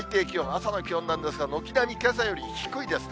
朝の気温なんですが、軒並みけさより低いですね。